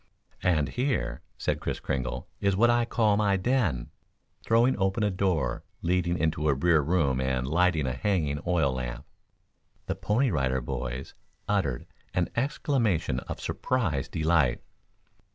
"And here," said Kris Kringle, "is what I call my den," throwing open a door leading into a rear room and lighting a hanging oil lamp. The Pony Rider Boys uttered an exclamation of surprised delight.